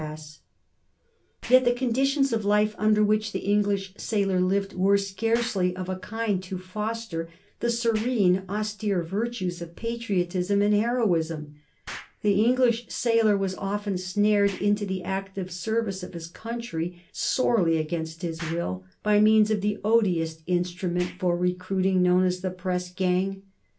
[Sidenote: 1797 Mutinies in the British Navy] Yet the conditions of life under which the English sailor lived were scarcely of a kind to foster the serene, austere virtues of patriotism and heroism. The English sailor was often snared into the active service of his country sorely against his will by means of the odious instrument for recruiting known as the press gang.